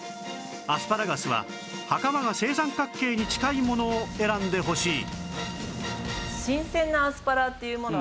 アスパラガスははかまが正三角形に近いものを選んでほしい